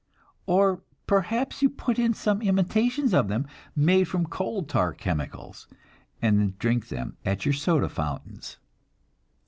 Or perhaps you put in some imitations of them, made from coal tar chemicals, and drink them at your soda fountains!